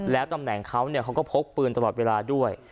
แล้วตำแหน่งเขาเขาก็พกปืนตลอดเวลาด้วย